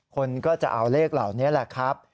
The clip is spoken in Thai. คนก็จะเอาเลขเหล่านี้แหละครับ